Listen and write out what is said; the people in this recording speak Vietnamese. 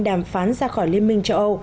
đàm phán ra khỏi liên minh châu âu